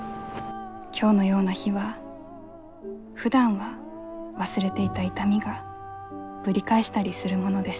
今日のような日はふだんは忘れていた痛みがぶり返したりするものです。